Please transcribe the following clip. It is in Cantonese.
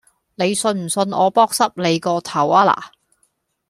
你信唔信我扑濕你個頭呀嗱